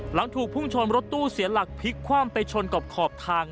หลังถูกพุ่งชนรถตู้เสียหลักพลิกคว่ำไปชนกับขอบทาง